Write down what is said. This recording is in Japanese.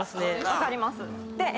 分かります。